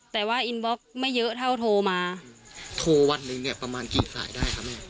แต่ว่าอินบล็อกไม่เยอะเท่าโทรมาโทรวันหนึ่งเนี่ยประมาณกี่สายได้ครับแม่